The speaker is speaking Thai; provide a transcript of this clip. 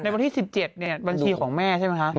วันที่๑๗เนี่ยบัญชีของแม่ใช่ไหมคะ